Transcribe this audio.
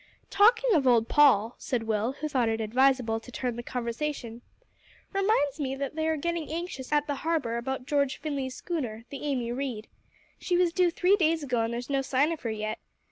"Talking of old Paul," said Will, who thought it advisable to turn the conversation, "reminds me that they are getting anxious at the Harbour about George Finley's schooner, the Amy Reade. She was due three days ago and there's no sign of her yet.